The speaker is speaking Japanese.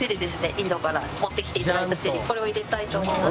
インドから持ってきて頂いたチリこれを入れたいと思います。